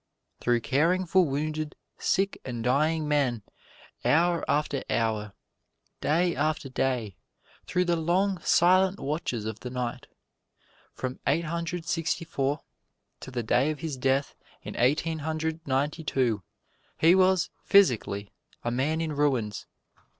Through caring for wounded, sick and dying men, hour after hour, day after day, through the long, silent watches of the night. From Eighteen Hundred Sixty four to the day of his death in Eighteen Hundred Ninety two, he was, physically, a man in ruins.